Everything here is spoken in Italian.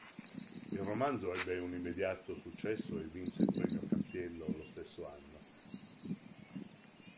Il romanzo ebbe un immediato successo e vinse il Premio Campiello lo stesso anno.